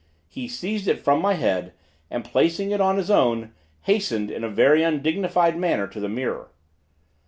He seized it from my head, and placing it on his own, hastened in a very undignified manner to the mirror.